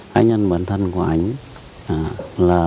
cá nhân bản thân của anh ấy